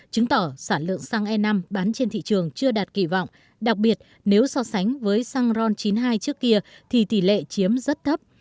chứng tỏ sản lượng xăng e năm bán trên thị trường chưa đạt kỳ vọng đặc biệt nếu so sánh với xăng ron chín mươi hai trước kia thì tỷ lệ chiếm rất thấp